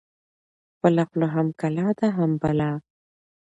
خپله خوله هم کلا ده، هم بلا